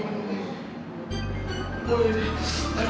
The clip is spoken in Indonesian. ya permisi pak